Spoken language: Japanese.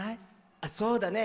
あっそうだね。